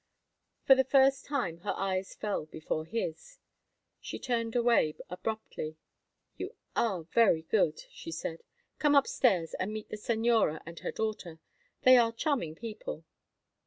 For the first time her eyes fell before his. She turned away abruptly. "You are very good," she said. "Come up stairs and meet the señora and her daughter. They are charming people."